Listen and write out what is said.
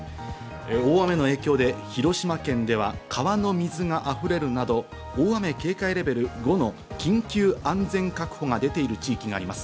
大雨の影響で広島県では川の水があふれるなど、大雨警戒レベル５の緊急安全確保が出ている地域があります。